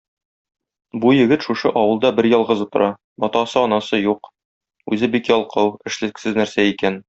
Бу егет шушы авылда берьялгызы тора, атасы-анасы юк, үзе бик ялкау, эшлексез нәрсә икән.